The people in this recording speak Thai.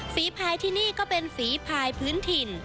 พายที่นี่ก็เป็นฝีพายพื้นถิ่น